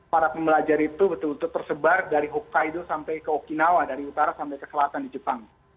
para pembelajar itu betul betul tersebar dari hokkaido sampai ke okinawa dari utara sampai ke selatan di jepang